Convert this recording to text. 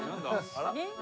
あら？